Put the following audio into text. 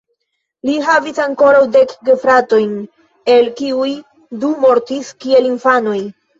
Li havis ankoraŭ dek gefratojn, el kiuj du mortis kiel infanoj.